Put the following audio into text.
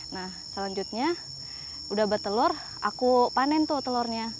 nah selanjutnya udah bertelur aku panen tuh telurnya